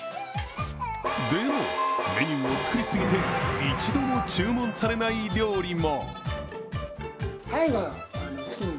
でも、メニューを作りすぎて一度も注文されない料理も。